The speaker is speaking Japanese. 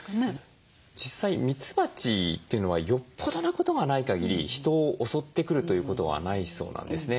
実際ミツバチというのはよっぽどのことがないかぎり人を襲ってくるということはないそうなんですね。